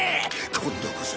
今度こそ。